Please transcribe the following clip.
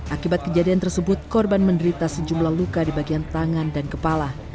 akibat kejadian tersebut korban menderita sejumlah luka di bagian tangan dan kepala